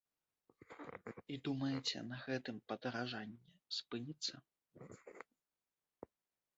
І думаеце, на гэтым падаражанне спыніцца?